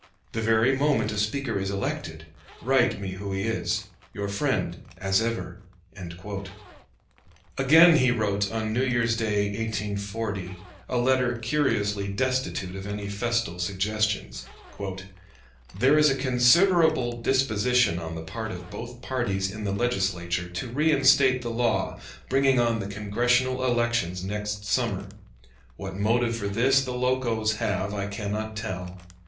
The very moment a speaker is elected, write me who he is. Your friend, as ever." Again he wrote, on New Year's Day, 1840, a letter curiously destitute of any festal suggestions: "There is a considerable disposition on the part of both parties in the Legislature to reinstate the law bringing on the Congressional elections next summer. What motive for this the Locos have, I cannot tell.